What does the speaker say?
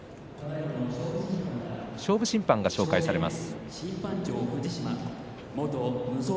勝負審判が紹介されます。